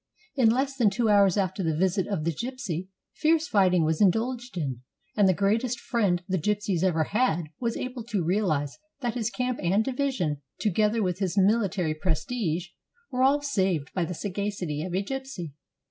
In less than two hours after the visit of the gypsy, fierce fighting was indulged in, and the greatest friend the gypsies ever had was able to realize that his camp and division, to gether with his military prestige, were all saved by the sagacity of a gypsy.